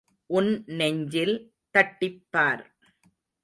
உன் நெஞ்சில் தட்டிப் பார்.